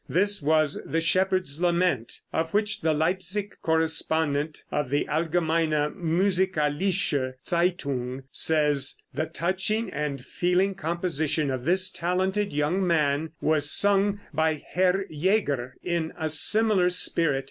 This was the "Shepherd's Lament," of which the Leipsic correspondent of the Allgemeine Musikalische Zeitung says: "The touching and feeling composition of this talented young man was sung by Herr Jaeger in a similar spirit."